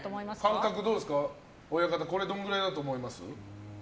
感覚どうですかどれぐらいだと思います？